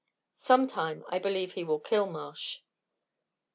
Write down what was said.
Some time I believe he will kill Marsh."